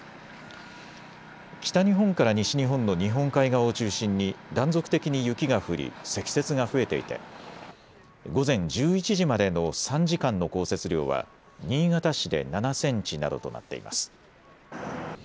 北日本から西日本の日本海側を中心に断続的に雪が降り積雪が増えていて午前１１時までの３時間の降雪量は新潟市で７センチなどとなっています。